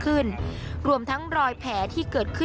หรือมีคนทำร้ายแต่สิ่งที่น้องต้องได้รับตอนนี้คือการรักษารอยแผลที่เกิดขึ้น